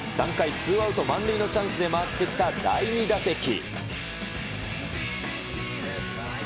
３回、ツーアウト満塁のチャンスで回ってきた第２打席。